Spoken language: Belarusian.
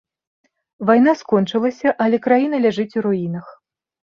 Вайна скончылася, але краіна ляжыць у руінах.